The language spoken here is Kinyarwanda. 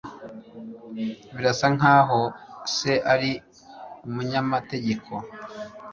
Birasa nkaho se ari umunyamategeko